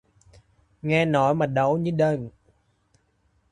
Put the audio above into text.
Nghe nói mà đau như đần